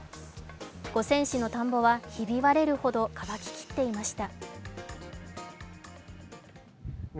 五泉市の田んぼは、ひび割れるほど乾ききっていました。